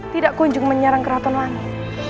tidak kunjung menyerang keraton langit